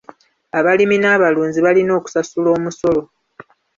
Abalimi n'abalunzi balina okusasula omusolo.